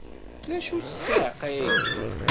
D acu-tt ssiεqa-agi?